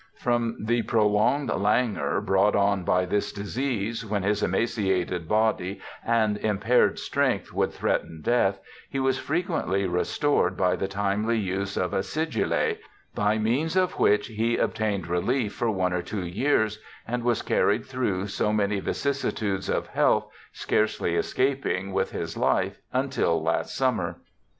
From the prolonged languor brought on by this disease, when his emaciated body and impaired strength would threaten death, he was frequently restored by the timely use of acidulae, by means of which he obtained relief for one or two years, and was carried through so many vicissitudes of health, scarcely escaping with his life, until last summer.